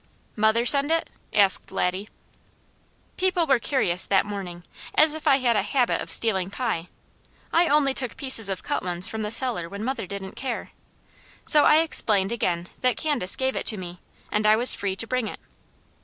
"Mother send it?" asked Laddie. People were curious that morning, as if I had a habit of stealing pie. I only took pieces of cut ones from the cellar when mother didn't care. So I explained again that Candace gave it to me, and I was free to bring it.